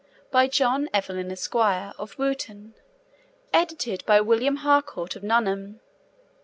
By John Evelyn, Esq., of Wooton. Edited by William Harcourt of Nuneham.